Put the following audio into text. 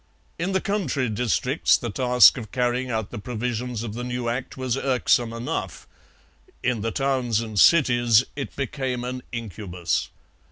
In the country districts the task of carrying out the provisions of the new Act was irksome enough; in the towns and cities it became an incubus.